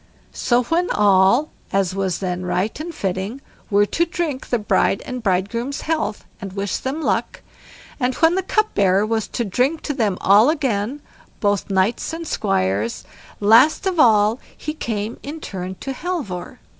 So when all, as was then right and fitting, were to drink the bride and bridegroom's health and wish them luck, and when the cupbearer was to drink to them all again, both knights and squires, last of all he came in turn to Halvor.